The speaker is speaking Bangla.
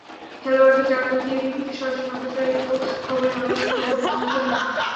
খেলোয়াড়ের টানেলে গিয়ে টিভিতে সরাসরি সম্প্রচারিত খবরে হালনাগাদ খবর নিতে থাকেন।